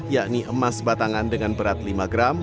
yakni emas batangan dengan berat lima gram